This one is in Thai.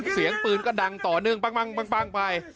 เสียงปืนก็ดังต่อเนื่องปั้งไป